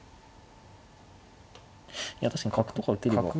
いや確かに角とか打てれば。